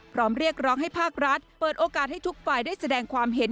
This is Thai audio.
เรียกร้องให้ภาครัฐเปิดโอกาสให้ทุกฝ่ายได้แสดงความเห็น